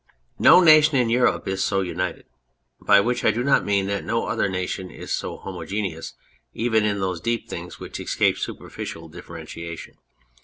No nation in Europe is so united. By which I do not mean that no other nation is so homogeneous, even in those deep things which escape superficial differentiation.